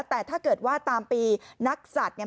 แต่ถ้าเกิดว่าตามปีนักศัตริย์เนี่ย